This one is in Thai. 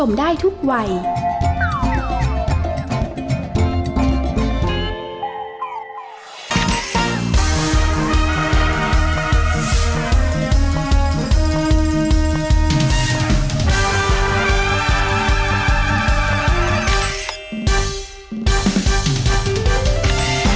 แม่ฟางเกิบนาน